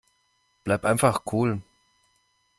Bleib einfach cool.